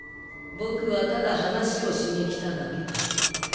僕はただ話をしにきただけだ。